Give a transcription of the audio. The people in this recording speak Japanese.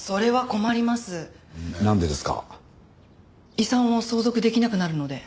遺産を相続できなくなるので。